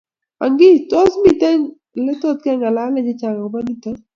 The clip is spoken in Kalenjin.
angi tos mi ole kengalale chechang amu nito?